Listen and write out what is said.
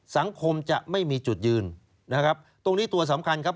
สังคมจะไม่มีจุดยืนนะครับตรงนี้ตัวสำคัญครับ